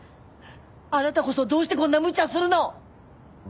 あなたこそどうしてこんなむちゃするの！